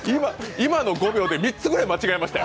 今の５秒で、３つぐらい間違えましたよ。